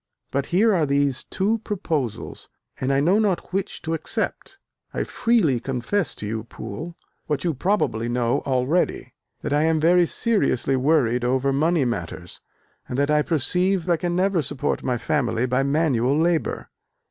But here are these two proposals, and I know not which to accept. I freely confess to you, Poole, what you probably know already, that I am very seriously worried over money matters, and that I perceive I can never support my family by manual labour.